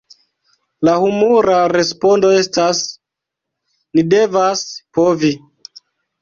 La humura respondo estas "Ni devas povi!